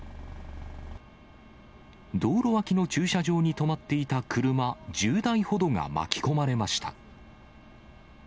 道路脇の駐車場に止まっていた車１０台ほどが巻き込まれました。